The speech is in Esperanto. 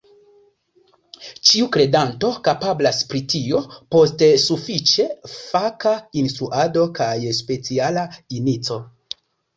Ĉiu kredanto kapablas pri tio – post sufiĉe faka instruado kaj speciala inico.